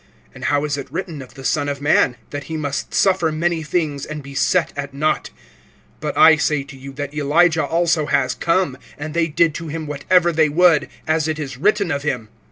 And how is it written of the Son of man? That he must suffer many things, and be set at naught. (13)But I say to you, that Elijah also has come, and they did to him whatever they would, as it is written of him.